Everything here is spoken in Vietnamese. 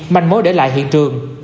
manh mối để lại hiện trường